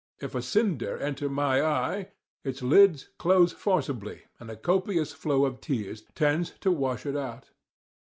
If a cinder enter my eye, its lids close forcibly and a copious flow of tears tends to wash it out.